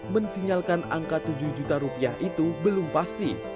mensinyalkan angka tujuh juta rupiah itu belum pasti